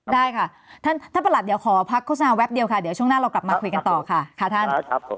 ได้ค่ะท่านประหลัดเดี๋ยวขอพักโฆษณาแวบเดียวค่ะเดี๋ยวช่วงหน้าเรากลับมาคุยกันต่อค่ะค่ะท่าน